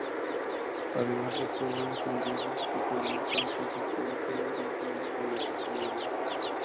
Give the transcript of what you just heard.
Además de los programas en vivo, su programación consistía en series norteamericanas y comedias.